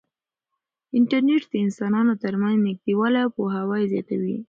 انټرنیټ د انسانانو ترمنځ نږدېوالی او پوهاوی زیاتوي.